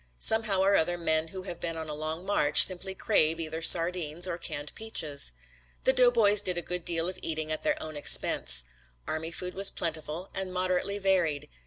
Somehow or other men who have been on a long march simply crave either sardines or canned peaches. The doughboys did a good deal of eating at their own expense. Army food was plentiful and moderately varied.